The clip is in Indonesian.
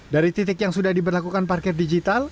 dari titik yang sudah diberlakukan parkir digital